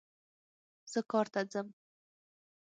زه کار ته ځم